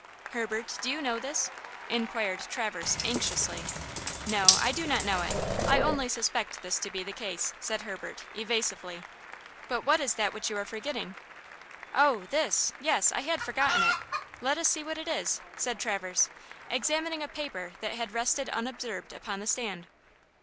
"Herbert, do you know this?" inquired Traverse, anxiously. "No, I do not know it; I only suspect this to be the case," said Herbert, evasively. "But what is that which you are forgetting." "Oh! this–yes, I had forgotten it. Let us see what it is!" said Traverse, examining a paper that had rested unobserved upon the stand.